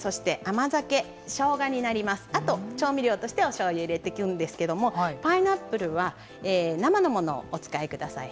あと調味料としておしょうゆ入れてくんですけどもパイナップルは生のものをお使いください。